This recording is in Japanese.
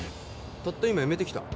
たった今、やめてきた。